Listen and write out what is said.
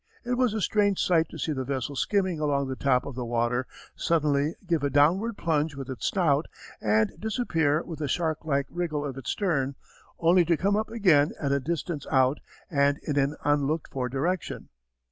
It was a strange sight to see the vessel skimming along the top of the water, suddenly give a downward plunge with its snout, and disappear with a shark like wriggle of its stern, only to come up again at a distance out and in an unlooked for direction.